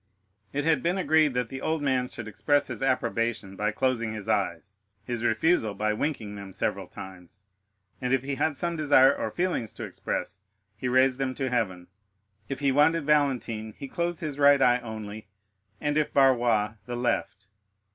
It had been agreed that the old man should express his approbation by closing his eyes, his refusal by winking them several times, and if he had some desire or feeling to express, he raised them to heaven. If he wanted Valentine, he closed his right eye only, and if Barrois, the left.